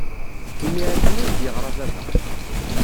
Imir-a kan ay d-yeɣra baba.